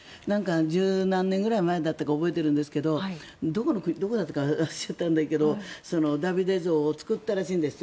１０何年ぐらいだったか覚えているんですがどこだったか忘れちゃったんだけどダビデ像を作ったらしいんですよ。